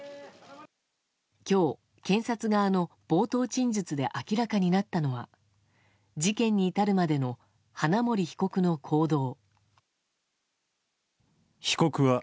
今日、検察側の冒頭陳述で明らかになったのは事件に至るまでの花森被告の行動。